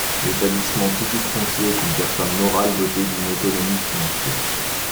L'établissement public foncier est une personne morale dotée d'une autonomie financière.